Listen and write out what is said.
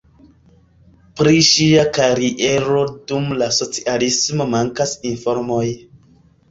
Pri ŝia kariero dum la socialismo mankas informoj.